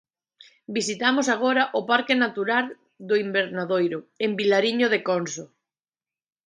Visitamos agora o Parque Natural do Invernadoiro, en Vilariño de Conso.